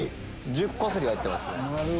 １０こすり入ってますね。